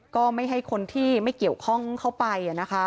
ก็ไม่ให้คนที่ไม่เกี่ยวข้องเข้าไป